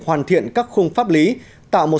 hoàn thiện các khung pháp lý tạo một